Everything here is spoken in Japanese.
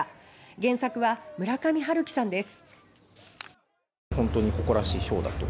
原作は村上春樹さんです。